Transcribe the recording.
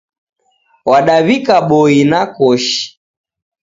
Wadaw'ika boi na koshi.